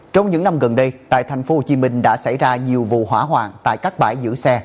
trong những năm gần đây tại thành phố hồ chí minh đã xảy ra nhiều vụ hỏa hoạn tại các bãi giữ xe